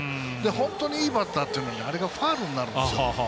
本当にいいバッターっていうのはあれがファウルになるんですよ。